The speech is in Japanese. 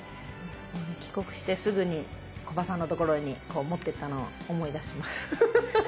帰国してすぐに木場さんのところに持っていったのを思い出します。